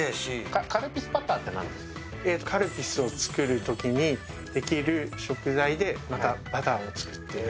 カルピスを作るときにできる食材でバターを作って。